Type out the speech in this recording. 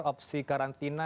atau opsi karantina